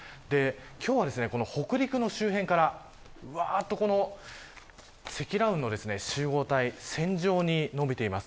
今日は北陸の周辺からうわっと積乱雲の集合体線状に伸びています。